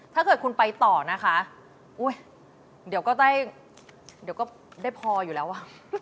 ถ้าเกิดคุณไปต่อนะคะอุ๊ยเดี๋ยวก็ได้เดี๋ยวก็ได้พออยู่แล้วว่ะ